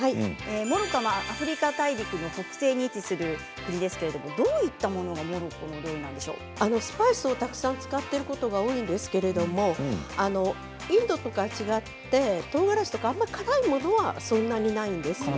モロッコはアフリカ大陸の北西に位置する国ですけどどういったものがモロッコ料理なんでしょうスパイスをたくさん使っていることが多いんですけどインドとかと違って、とうがらしとかあまり辛いものはそんなにないんです。